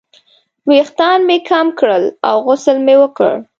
ویښتان مې کم کړل او غسل مې وکړ.